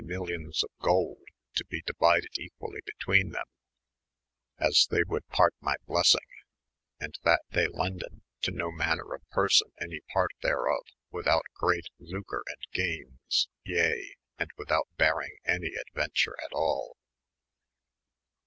milUons of golde, to be deoided equally betweene them, as they woalde parte my bleasyng; and that they le[nd] ande to no maner of person any part therof, without great lucre and gaynes, yea, and without bearyng any aduentare at all.